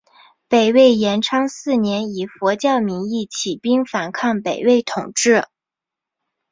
北魏延昌四年以佛教名义起兵反抗北魏统治。